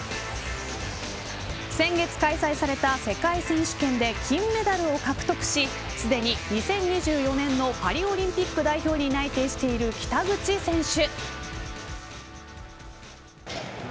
先月開催された世界選手権で金メダルを獲得しすでに２０２４年のパリオリンピック代表に内定している北口選手。